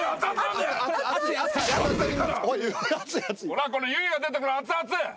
ほらこの湯気が出てるの熱々。